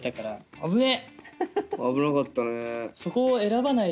危なかったね。